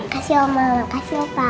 kasih oma kasih opa